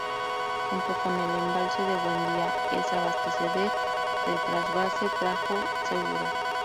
Junto con el embalse de Buendía, es abastecedor del trasvase Tajo-Segura.